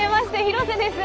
廣瀬です。